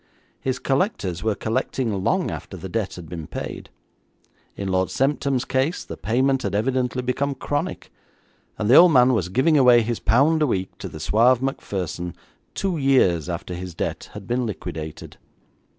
His collectors were collecting long after the debt had been paid. In Lord Semptam's case, the payment had evidently become chronic, and the old man was giving away his pound a week to the suave Macpherson two years after his debt had been liquidated.